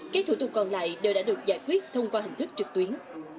các thủ tục còn lại đều đã được giải quyết thông qua hình thức trực tuyến